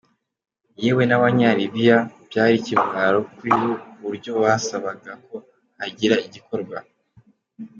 Yewe n’Abanya-Libya, byari ikimwaro kuri bo ku buryo basabaga ko hagira igikorwa.